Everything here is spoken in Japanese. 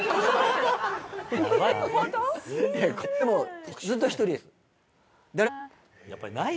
ホント？でもずっと１人です。